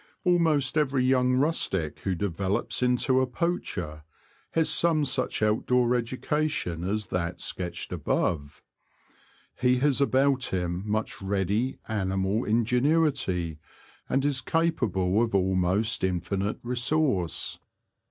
Almost every young rustic who develops into a poacher has some such outdoor education as that sketched above. He has about him much ready animal ingenuity, and is capable of almost infinite resource.